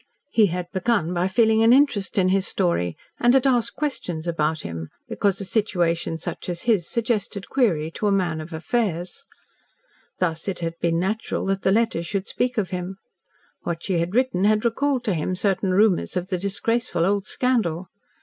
He had begun by feeling an interest in his story, and had asked questions about him, because a situation such as his suggested query to a man of affairs. Thus, it had been natural that the letters should speak of him. What she had written had recalled to him certain rumours of the disgraceful old scandal.